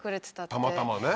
たまたまね。